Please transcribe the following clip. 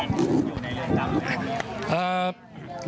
เรือนจำก็เป็นสู่สารคนเป็นนะครับ